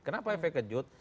kenapa efek kejut